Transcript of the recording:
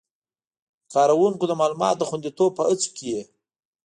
د کاروونکو د معلوماتو د خوندیتوب په هڅو کې یې